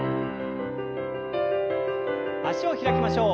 脚を開きましょう。